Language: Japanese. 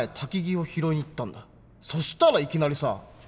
そしたらいきなりさ。